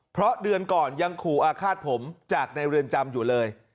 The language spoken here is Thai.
เพราะเดือนก่อนยังขู่อาฆาตผมจากในเรือนจำอยู่เลย